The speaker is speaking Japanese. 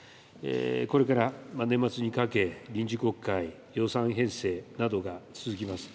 これから年末にかけ、臨時国会、予算編成などが続きます。